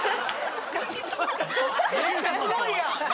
めっちゃすごいやん！